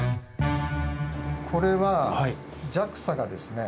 これはＪＡＸＡがですね